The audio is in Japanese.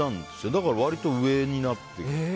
だから割と上になってる。